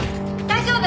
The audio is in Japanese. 大丈夫。